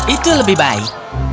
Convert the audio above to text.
itu lebih baik